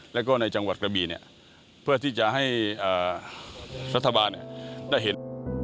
แล้วก็ในจังหวัดกระบีเพื่อที่จะให้รัฐบาลได้เห็น